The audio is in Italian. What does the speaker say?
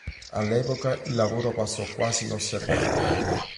All'epoca il lavorò passo quasi inosservato.